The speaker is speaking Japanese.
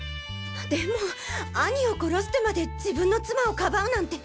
でも兄を殺してまで自分の妻をかばうなんて。